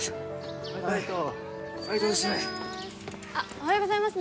おはようございます